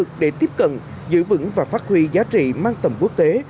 năng lực để tiếp cận giữ vững và phát huy giá trị mang tầm quốc tế